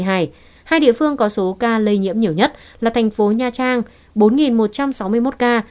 hai địa phương có số ca lây nhiễm nhiều nhất là thành phố nha trang bốn một trăm sáu mươi một ca